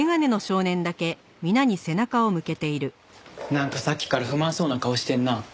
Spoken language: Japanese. なんかさっきから不満そうな顔してるな。